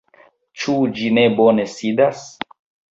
Ĉu ĝi ne bone sidas?